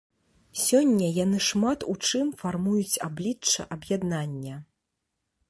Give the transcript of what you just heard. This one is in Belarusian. Сёння яны шмат у чым фармуюць аблічча аб'яднання.